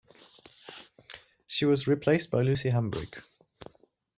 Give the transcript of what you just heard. She was replaced by Lucy Hambrick.